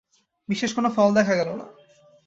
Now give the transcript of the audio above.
বিশেষ কোনো ফল দেখা গেল না।